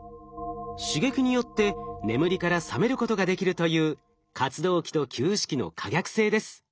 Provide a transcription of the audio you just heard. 刺激によって眠りから覚めることができるという活動期と休止期の可逆性です。はあ。